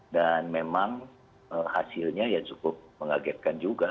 dan memang hasilnya cukup mengagetkan juga